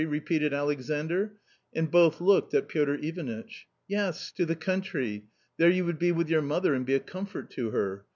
repeated Alexandr, and both looked at Piotr Ivanitch. "Yes, to the country; there you would be with your " mother and be a comfort to her.